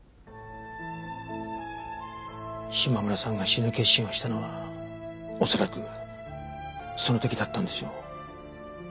島村さんが死ぬ決心をしたのは恐らくその時だったんでしょう。